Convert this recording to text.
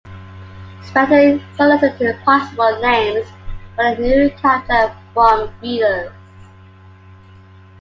Speckter solicited possible names for the new character from readers.